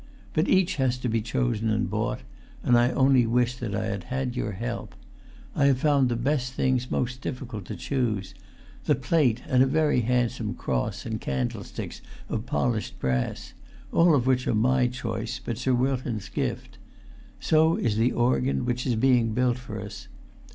But each has to be chosen and bought, and I only wish that I had had your help. I have found the best things most difficult to choose—the plate and a very handsome cross and candlesticks of polished brass—all of which are my choice, but Sir Wilton's gift. So is the organ which is being built for us.